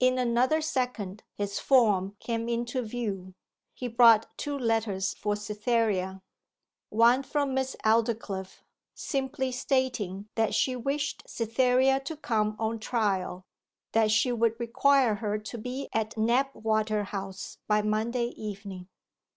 In another second his form came into view. He brought two letters for Cytherea. One from Miss Aldclyffe, simply stating that she wished Cytherea to come on trial: that she would require her to be at Knapwater House by Monday evening.